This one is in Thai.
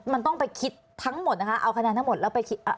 มันต้องไปคิดทั้งหมดนะคะเอาคะแนนทั้งหมดแล้วไปคิด